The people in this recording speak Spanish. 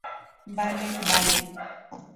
vale. vale.